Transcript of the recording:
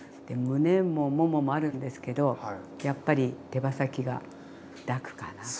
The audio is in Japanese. でむねももももあるんですけどやっぱり手羽先が楽かな。